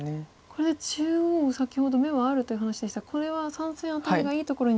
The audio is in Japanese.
これで中央先ほど眼はあるという話でしたがこれは３線アタリがいいところにきてて。